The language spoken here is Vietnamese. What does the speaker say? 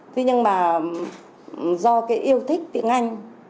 thế nhưng mà do cái yêu thích tiếng anh